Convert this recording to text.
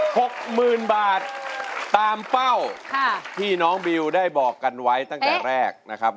หกหมื่นบาทตามเป้าค่ะที่น้องบิวได้บอกกันไว้ตั้งแต่แรกนะครับ